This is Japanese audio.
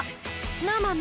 ＳｎｏｗＭａｎ